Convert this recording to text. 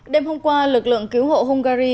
đêm hôm qua lực lượng cứu hộ hungary